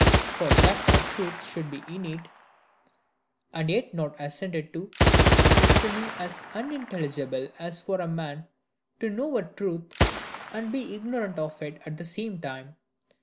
For that a truth should be innate and yet not assented to, is to me as unintelligible as for a man to know a truth and be ignorant of it at the same time.